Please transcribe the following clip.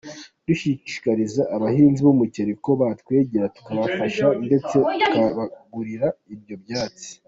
Dushishikariza abahinzi b’umuceri ko batwegera tukabafasha ndeste tukabagurira ibyo byatsi.